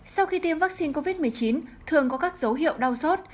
sau khi tiêm vaccine covid một mươi chín thường có các dấu hiệu đau xót